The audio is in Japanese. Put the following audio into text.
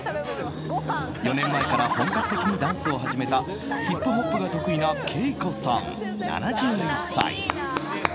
４年前から本格的にダンスを始めたヒップホップが得意なＫＥＩＫＯさん、７１歳。